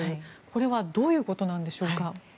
これはどういうことなんでしょうか。